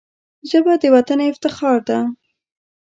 ژبه د وطن افتخار ده